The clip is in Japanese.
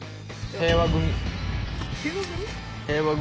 平和組。